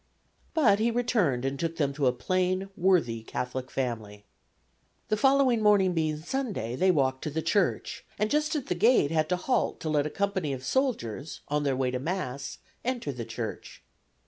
But he returned and took them to a plain, worthy Catholic family. The following morning being Sunday they walked to the church, and just at the gate had to halt to let a company of soldiers, on their way to Mass, enter the church.